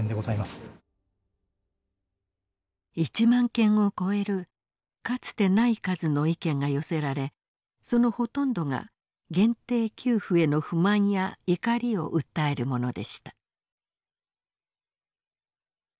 １万件を超えるかつてない数の意見が寄せられそのほとんどが限定給付への不満や怒りを訴えるものでした。